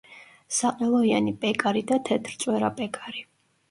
საყელოიანი პეკარი და თეთრწვერა პეკარი.